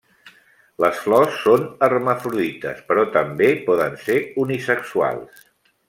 Les flors són hermafrodites, però també poden ser unisexuals.